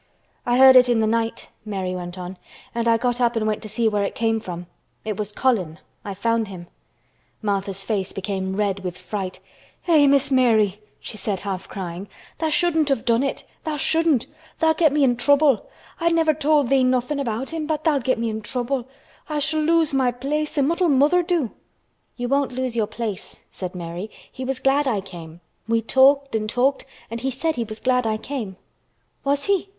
"I heard it in the night," Mary went on. "And I got up and went to see where it came from. It was Colin. I found him." Martha's face became red with fright. "Eh! Miss Mary!" she said half crying. "Tha' shouldn't have done it—tha' shouldn't! Tha'll get me in trouble. I never told thee nothin' about him—but tha'll get me in trouble. I shall lose my place and what'll mother do!" "You won't lose your place," said Mary. "He was glad I came. We talked and talked and he said he was glad I came." "Was he?"